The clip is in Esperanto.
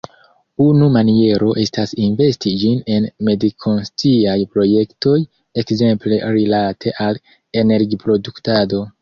Unu maniero estas investi ĝin en medikonsciaj projektoj, ekzemple rilate al energiproduktado.